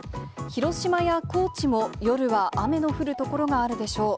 広島や高知も、夜は雨の降る所があるでしょう。